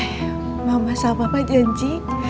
mama sama papa janji